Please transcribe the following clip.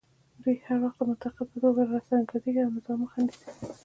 دوی هر وخت د منتقد په توګه راڅرګندېږي او د نظام مخه نیسي